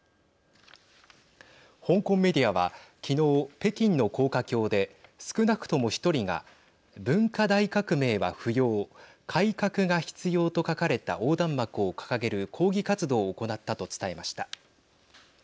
香港メディアは昨日、北京の高架橋で少なくとも１人が文化大革命は不要改革が必要と書かれた横断幕を掲げる抗議活動を行ったと伝えました。